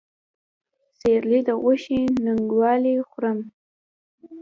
د سېرلي د غوښې ننګولی خورم